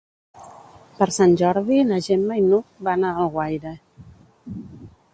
Per Sant Jordi na Gemma i n'Hug van a Alguaire.